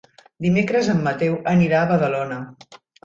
Dimecres en Mateu anirà a Badalona.